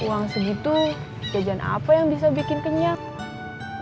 uang segitu jajan apa yang bisa bikin kenyang